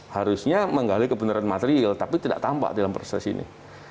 harusnya menggali kebenaran material tapi tidak tampak dalam proses ini